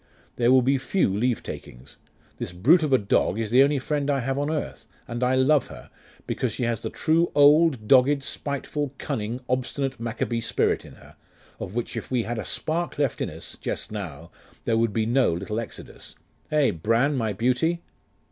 There will be few leavetakings. This brute of a dog is the only friend I have on earth; and I love her, because she has the true old, dogged, spiteful, cunning, obstinate Maccabee spirit in her of which if we had a spark left in us just now, there would be no little Exodus; eh, Bran, my beauty?